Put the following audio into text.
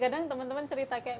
kadang teman teman cerita kayak